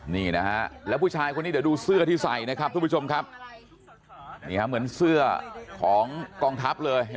นี่นะฮะเหมือนเสื้อกองทัพเลยเหมือนเสื้อของกองทัพ